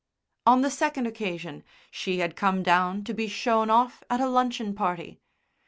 On the second occasion she had come down to be shown off at a luncheon party.